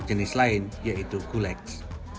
nyamuk jenis lain yaitu kuleks